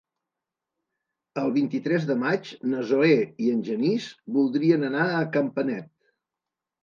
El vint-i-tres de maig na Zoè i en Genís voldrien anar a Campanet.